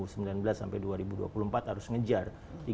sampai dua ribu dua puluh empat harus ngejar